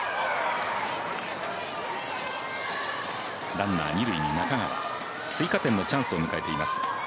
ランナー、二塁に中川追加点のチャンスを迎えています